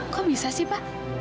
kok bisa sih pak